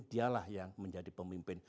dialah yang menjadi pemimpin